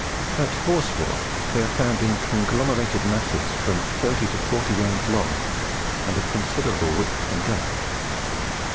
At Horsforth, they are found in conglomerated masses from 30 to 40 yards long, and of considerable width and depth.